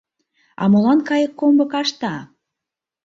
А молан Кайыккомбо кашта?